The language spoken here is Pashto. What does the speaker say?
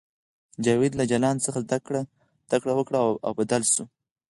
جاوید له جلان څخه زده کړه وکړه او بدل شو